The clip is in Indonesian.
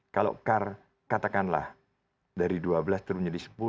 kalau car katakanlah dari dua belas turun menjadi sepuluh